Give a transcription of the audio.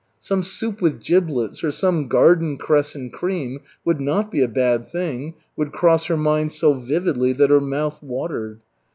"Some soup with giblets, or some garden cress in cream would not be a bad thing," would cross her mind so vividly that her mouth watered.